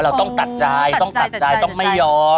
เราต้องตัดใจต้องตัดใจต้องไม่ยอม